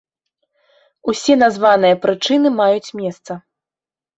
Усе названыя прычыны маюць месца.